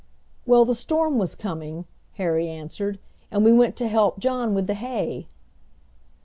"Well, the storm was coming," Harry answered, "and we went to help John with the hay!"